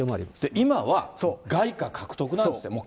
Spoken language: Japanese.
今は、外貨獲得なんですって。